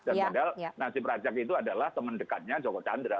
dan padahal najib rajak itu adalah teman dekatnya joko chandra